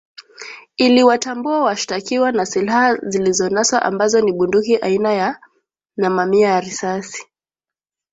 iliwatambua washtakiwa na silaha zilizonaswa ambazo ni bunduki aina ya na mamia ya risasi